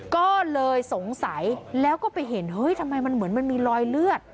ก็เลยสงสัยแล้วก็ไปเห็นเฮ้ยทำไมมันเหมือนมันมีรอยเลือด